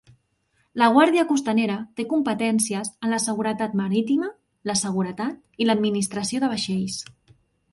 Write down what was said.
La Guàrdia Costanera té competències en la seguretat marítima, la seguretat i l'administració de vaixells.